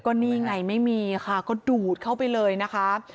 ก็นี่ไงไม่มีค่ะก็ดูดเข้าไปเลยนะคะ